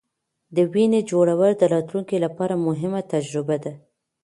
د وینې جوړول د راتلونکې لپاره مهمه تجربه ده.